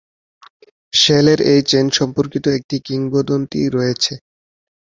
শেলের এই চেইন সম্পর্কিত একটি কিংবদন্তি রয়েছে।